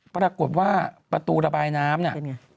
ปรากฏว่าประตูระบายน้ำน่ะเป็นไง